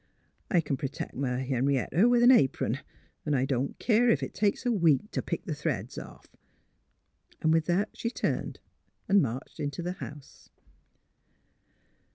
I c'n pertect m' Henrietta with an apron; 'n' I don't keer ef it takes a week t' pick th' threads off." And with that she turned and marched into the house.